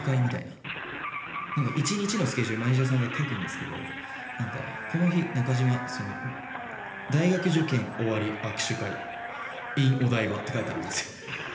一日のスケジュールマネジャーさんが書くんですけどこの日中島大学受験終わり握手会ｉｎお台場って書いてあるんですよ。